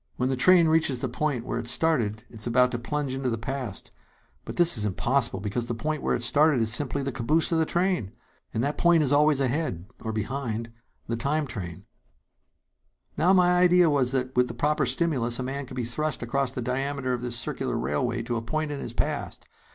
"When the train reaches the point where it started, it is about to plunge into the past; but this is impossible, because the point where it started is simply the caboose of the train! And that point is always ahead and behind the time train. "Now, my idea was that with the proper stimulus a man could be thrust across the diameter of this circular railway to a point in his past.